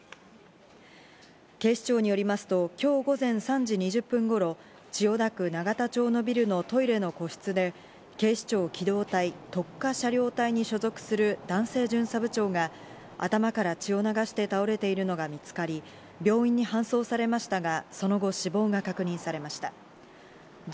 警視庁によりますと今日午前３時２０分頃、千代田区永田町のビルのトイレの個室で警視庁機動隊、特科車両隊に所属する男性巡査部長が、頭から血を流して倒れているのが見つかり、病院に搬送されましたが、その後、死亡が確認されました。